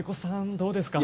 どうですか？